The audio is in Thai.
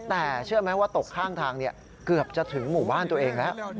แต่เชื่อไหมว่าตกข้างทางเกือบจะถึงหมู่บ้านตัวเองแล้ว